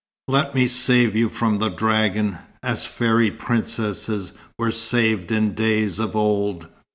Let me save you from the dragon, as fairy princesses were saved in days of old.